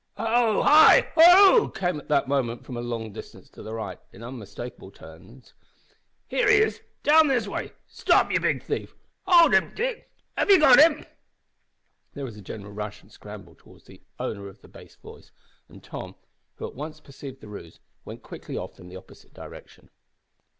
"Hallo! hi! hooroo!" came at that moment from a long distance to the right, in unmistakable tones. "Here he is, down this way. Stop, you big thief! Howld him. Dick! Have ye got him?" There was a general rush and scramble towards the owner of the bass voice, and Tom, who at once perceived the ruse, went quietly off in the opposite direction.